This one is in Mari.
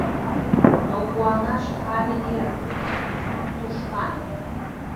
Но куанаш — але эр: сут тушман